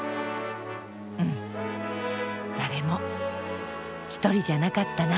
うん誰も一人じゃなかったな。